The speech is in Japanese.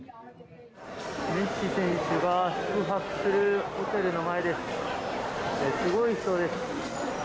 メッシ選手が宿泊するホテルの前です、すごい人です。